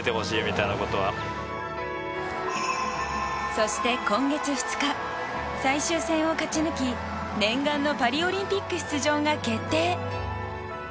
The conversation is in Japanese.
そして今月２日最終戦を勝ち抜き念願のパリオリンピック出場が決定！